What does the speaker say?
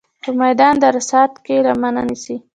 په میدان د عرصات کې لمنه نیسم.